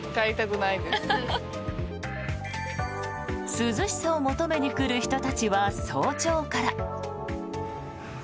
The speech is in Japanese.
涼しさを求めに来る人たちは早朝から。